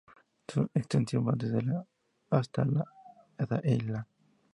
Su extensión va desde el la hasta el la.